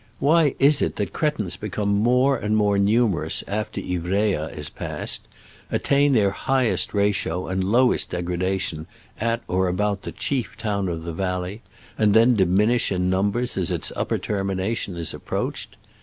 Why is it that cretins become more and more numerous after Ivrea is passed, attain their highest ratio and lowest degradation at or about the chief town of the valley, and then diminish in numbers as its upper termination is ap proached